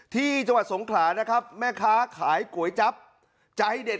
ที่จังหวัดสงขลานะครับแม่ค้าขายก๋วยจั๊บใจเด็ด